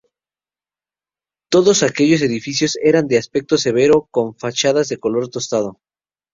Todos aquellos edificios eran de aspecto severo, con fachadas de color tostado.